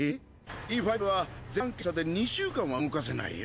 Ｅ５は全般検査で２週間は動かせないよ。